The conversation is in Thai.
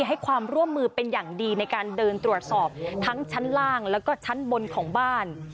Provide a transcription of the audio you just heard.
ให้ความร่วมมือเป็นอย่างดีในการเดินตรวจสอบทั้งชั้นล่างแล้วก็ชั้นบนของบ้าน